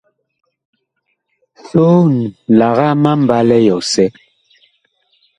Soon, lagaa ma mbalɛ yɔsɛ.